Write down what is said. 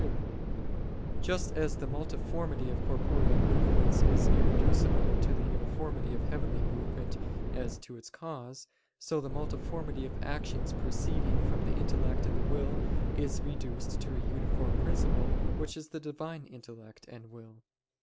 2: Just as the multiformity of corporeal movements is reducible to the uniformity of the heavenly movement as to its cause: so the multiformity of actions proceeding from the intellect and the will is reduced to a uniform principle which is the Divine intellect and will.